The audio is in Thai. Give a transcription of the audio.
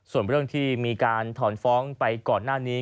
ส่วนเรื่องที่มีการถอนฟ้องไปก่อนหน้านี้